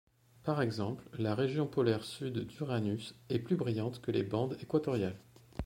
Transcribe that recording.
Par exemple, la région polaire sud d'Uranus est plus brillante que les bandes équatoriales.